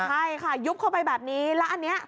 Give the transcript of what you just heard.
ใช่ค่ะยุบเข้าไปแบบนี้แล้วอันนี้